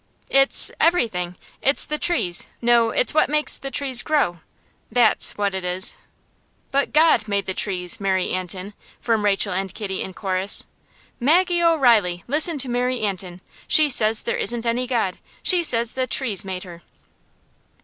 "It's everything. It's the trees no, it's what makes the trees grow. That's what it is." "But God made the trees, Mary Antin," from Rachel and Kitty in chorus. "Maggie O'Reilly! Listen to Mary Antin. She says there isn't any God. She says the trees made her!"